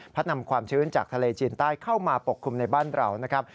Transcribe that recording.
นำความชื้นจากทะเลจีนใต้เข้ามาปกคลุมในบ้านเรานะครับ